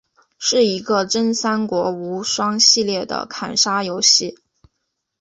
是一个真三国无双系列的砍杀游戏。